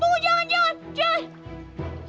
tunggu jangan jangan jangan